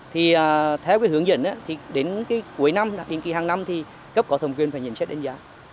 thì theo hướng dẫn đến cuối năm hình kỳ hàng năm thì cấp có thẩm quyền phải nhận xét đánh giá